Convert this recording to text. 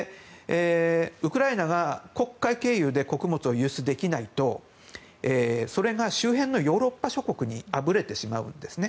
ウクライナが黒海経由で穀物を輸出できないとそれが周辺のヨーロッパ諸国にあぶれてしまうんですね。